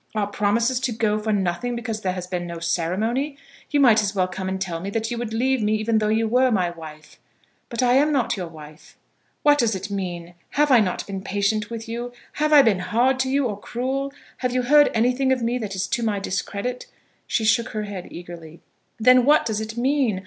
Are promises to go for nothing because there has been no ceremony? You might as well come and tell me that you would leave me even though you were my wife." "But I am not your wife." "What does it mean? Have I not been patient with you? Have I been hard to you, or cruel? Have you heard anything of me that is to my discredit?" She shook her head, eagerly. "Then what does it mean?